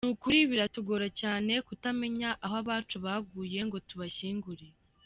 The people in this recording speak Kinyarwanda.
Ni ukuri biratugora cyane kutamenya aho abacu baguye ngo tubashyingure.